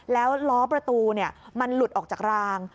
แล้วล้อประตูมันหลุดออกจากราง